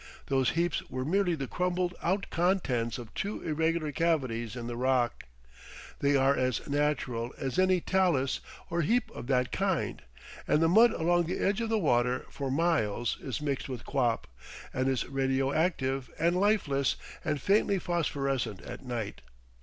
Those heaps were merely the crumbled out contents of two irregular cavities in the rock; they are as natural as any talus or heap of that kind, and the mud along the edge of the water for miles is mixed with quap, and is radio active and lifeless and faintly phosphorescent at night.